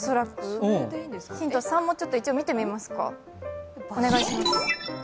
ヒント３も一応見てみますか。